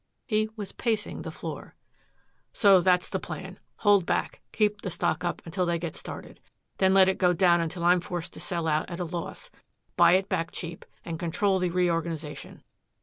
He was pacing the floor. "So that's the plan. Hold back, keep the stock up until they get started. Then let it go down until I'm forced to sell out at a loss, buy it back cheap, and control the reorganization.